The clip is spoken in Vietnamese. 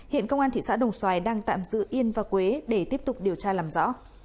hiện công an thị xã đồng xoài đang tạm giữ yên và quế để tiếp tục điều tra làm rõ